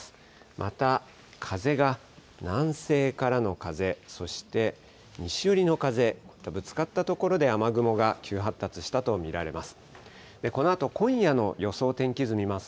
また、風が南西からの風、そして西寄りの風がぶつかった所で、雨雲が急発達したと見られます。